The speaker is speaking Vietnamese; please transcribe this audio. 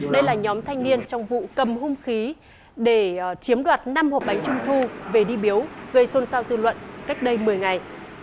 đây là nhóm thanh niên trong vụ cầm hung khí để chiếm đoạt năm hộp bánh trung thu về đi biếu gây xôn xao dư luận cách đây một mươi ngày